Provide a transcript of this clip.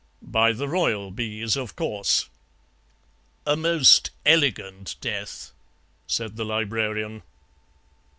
By the royal bees, of course.' "'A most elegant death,' said the Librarian.